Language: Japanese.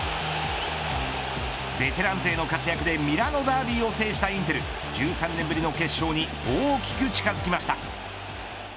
ベテラン勢の活躍でミラノダービーを制したインテル１３年ぶりの決勝に大きく近づきました。